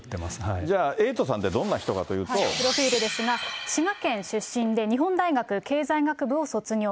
じゃあ、エイトさんっプロフィールですが、滋賀県出身で、日本大学経済学部を卒業。